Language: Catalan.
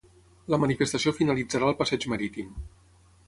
La manifestació finalitzarà al passeig marítim.